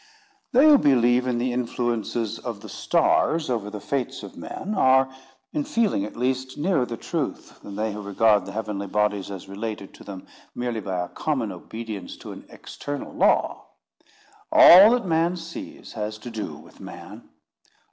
They who believe in the influences of the stars over the fates of men, are, in feeling at least, nearer the truth than they who regard the heavenly bodies as related to them merely by a common obedience to an external law. All that man sees has to do with man.